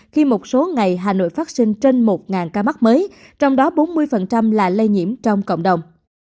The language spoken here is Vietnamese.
khi một số ngày hà nội phát sinh trên một ca mắc mới trong đó bốn mươi là lây nhiễm trong cộng đồng